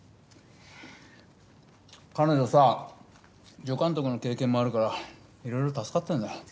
彼女さ助監督の経験もあるからいろいろ助かってるんだ。